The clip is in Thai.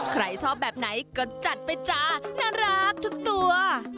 ใครชอบแบบไหนก็จัดไปจ้าน่ารักทุกตัว